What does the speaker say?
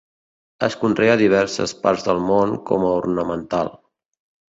Es conrea a diverses parts del món com a ornamental.